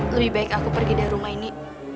lebih baik aku pergi dari rumah ini